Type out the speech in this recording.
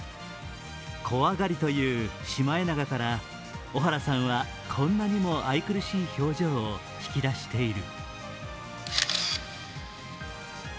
怖がりというシマエナガから小原さんはこんなにも愛くるしい表情を引き出している。